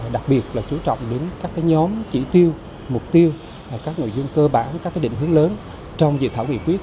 đặc biệt là chú trọng đến các nhóm chỉ tiêu mục tiêu các nội dung cơ bản các định hướng lớn trong dự thảo nghị quyết